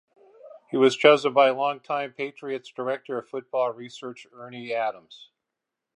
He was chosen by long time Patriots director of football research Ernie Adams.